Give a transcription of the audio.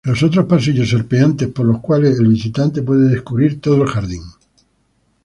Los otros pasillos serpenteantes por los cuales el visitante puede descubrir todo el jardín.